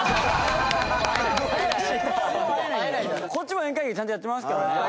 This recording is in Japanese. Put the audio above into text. こっちも宴会芸ちゃんとやってますからね。